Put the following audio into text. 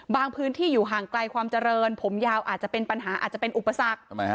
พื้นที่อยู่ห่างไกลความเจริญผมยาวอาจจะเป็นปัญหาอาจจะเป็นอุปสรรค